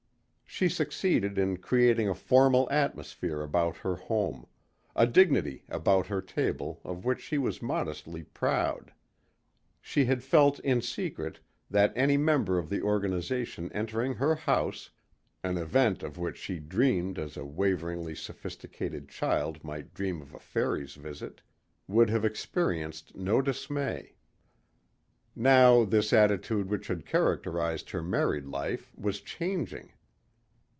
She succeeded in creating a formal atmosphere about her home, a dignity about her table of which she was modestly proud. She had felt in secret that any member of the Organization entering her house an event of which she dreamed as a waveringly sophisticated child might dream of a fairy's visit would have experienced no dismay. Now this attitude which had characterized her married life was changing.